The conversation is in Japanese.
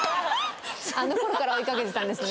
あの頃から追いかけてたんですね。